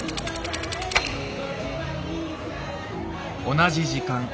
同じ時間。